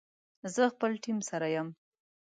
زه خپل ټیم سره یم